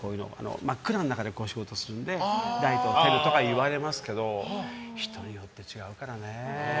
真っ暗な中で仕事するのでライトをとかいわれますけど人によって違うからね。